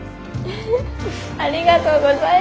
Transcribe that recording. ありがとうございます。